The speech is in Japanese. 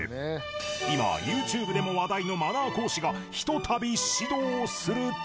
今ユーチューブでも話題のマナー講師がひとたび指導すると